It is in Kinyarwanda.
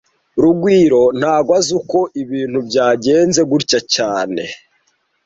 Rugwiro ntago azi uko ibintu byagenze gutya cyane